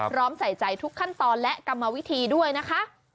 ใส่ใจทุกขั้นตอนและกรรมวิธีด้วยนะคะ